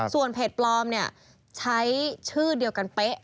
ส่วนเพจปลอมใช้ชื่อเดียวกันเป๊ะ